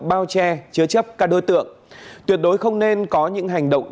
bao che chứa chấp các đối tượng tuyệt đối không nên có những hành động